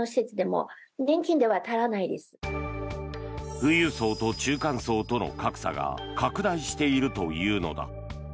富裕層と中間層との格差が拡大しているというのだ。